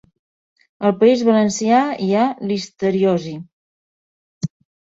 Al País Valencià hi ha listeriosi